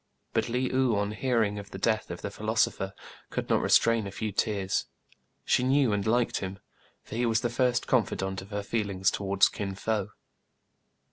But Le ou, on hearing of the death of the phil osopher, could not restrain a few tears. She knew and liked him ; for he was the first confidant of her feelings towards Kin Fo.